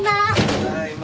ただいま。